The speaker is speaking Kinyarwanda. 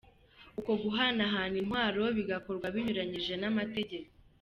Uko guhanahana intwaro bigakorwa binyuranyije n’amategeko.